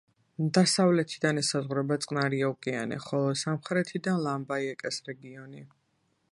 დასავლეთიდან ესაზღვრება წყნარი ოკეანე, ხოლო სამხრეთიდან ლამბაიეკეს რეგიონი.